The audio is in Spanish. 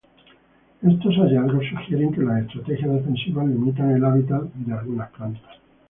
Estos hallazgos sugieren que las estrategias defensivas limitan el hábitat de algunas plantas.